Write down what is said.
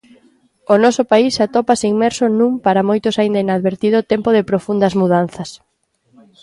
O noso país atópase inmerso nun, para moitos aínda inadvertido, tempo de profundas mudanzas.